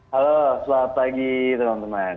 halo selamat pagi teman teman